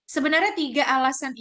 sebenarnya tiga alasan itu